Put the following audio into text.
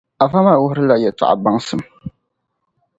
Afa maa wuhirila yɛtɔɣa baŋsim.